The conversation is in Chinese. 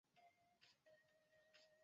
模式种采样自台湾龟山岛。